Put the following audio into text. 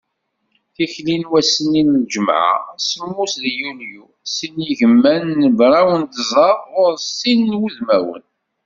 Tikli n wass-nni n lǧemɛa, semmus deg yulyu, sin yigiman d mraw d tẓa, ɣur-s sin n wudmawen.